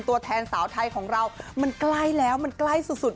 ตัวแทนสาวไทยของเรามันใกล้แล้วมันใกล้สุด